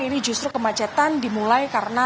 ini justru kemacetan dimulai karena